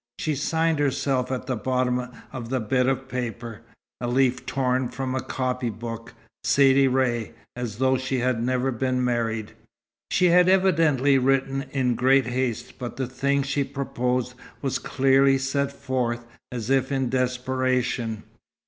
She signed herself at the bottom of the bit of paper a leaf torn from a copy book "Saidee Ray," as though she had never been married. She had evidently written in great haste, but the thing she proposed was clearly set forth, as if in desperation.